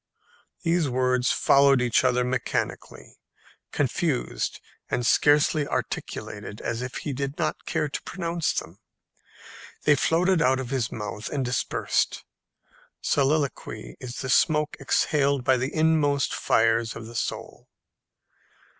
These words followed each other mechanically, confused, and scarcely articulated, as if he did not care to pronounce them. They floated out of his mouth and dispersed. Soliloquy is the smoke exhaled by the inmost fires of the soul.